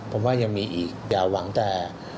ผมว่ายังมีอีกอย่าหวังแต่